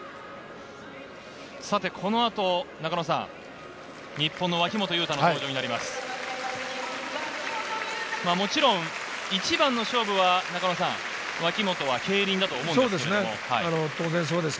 この後、中野さん、日本の脇本雄太の登場です。